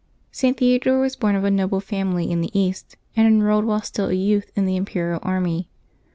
[t. Theodore was born of a noble family in the East, and enrolled while still a youth in the imperial army.